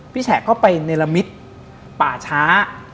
พี่แฉะก็ไปในละมิดป่าช้า